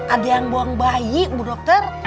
ada yang buang bayi bu dokter